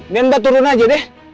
nih mbak turun aja deh